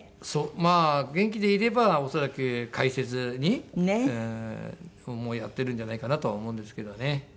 まあ元気でいれば恐らく解説にやってるんじゃないかなとは思うんですけどね。